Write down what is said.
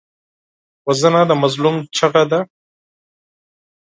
وژنه د مظلوم چیغه ده